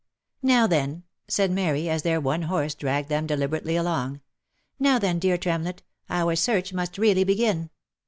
Now then," said Mary, as their one horse dragged them deli berately along, " now then, dear Tremlett, our search must really begin.